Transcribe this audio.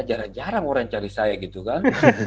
jarang jarang orang cari saya gitu kan